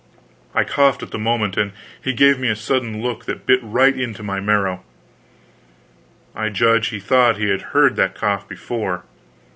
I coughed at the moment, and he gave me a sudden look that bit right into my marrow. I judge he thought he had heard that cough before.